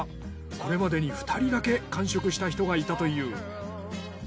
これまでに２人だけ完食した人がいたという。